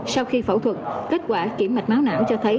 sau khi phẫu thuật kết quả kiểm mạch máu não cho thấy